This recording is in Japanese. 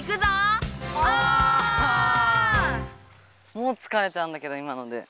もうつかれたんだけど今ので。